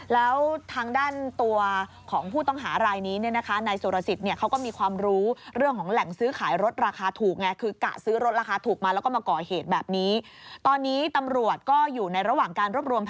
แล้วทางด้านตัวของผู้ต้องหารายนี้เนี่ยนะคะ